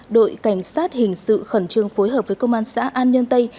đội cảnh sát hình sự khẩn trương phối hợp với công an xã an nhân tây